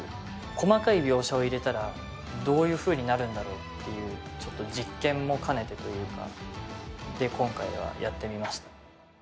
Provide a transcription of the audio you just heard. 細かい描写を入れたらどういうふうになるんだろうっていうちょっと実験も兼ねてというかで今回はやってみました。